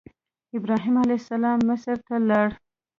ابراهیم علیه السلام مصر ته لاړ.